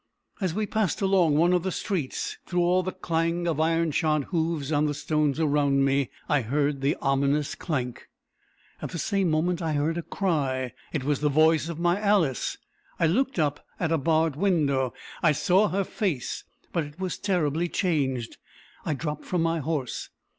As we passed along one of the streets, through all the clang of iron shod hoofs on the stones around me, I heard the ominous clank. At the same moment, I heard a cry. It was the voice of my Alice. I looked up. At a barred window I saw her face; but it was terribly changed. I dropped from my horse.